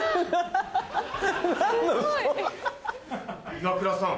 岩倉さん。